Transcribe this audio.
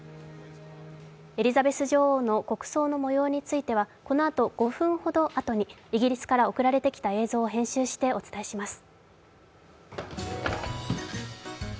エリザベス女王の国葬のもようについては、このあと５分ほどあとにイギリスから送られてきた映像を編集してお伝えします。